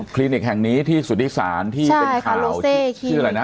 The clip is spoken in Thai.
ลินิกแห่งนี้ที่สุธิศาลที่เป็นข่าวชื่ออะไรนะ